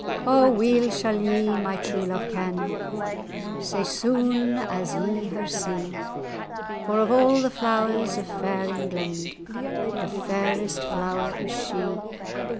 "O weel sall ye my true love ken, Sae sune[#] as ye her see; For, of a' the flowers of fair England, The fairest flower is she.